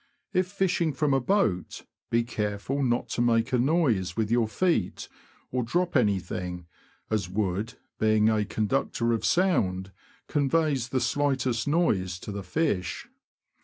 If fishing from a boat, be careful not to make a noise with your feet, or drop anything, as wood, being a conductor of sound, conveys the slightest noise to the fish.